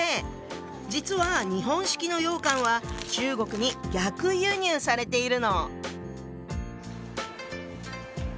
実は日本式の羊羹は中国に逆輸入されているの。